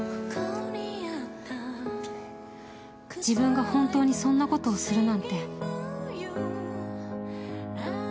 自分が本当にそんなことをするなんて。